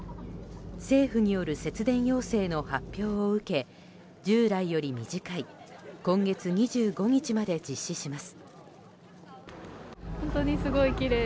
政府による節電要請の発表を受け従来より短い今月２５日まで実施します。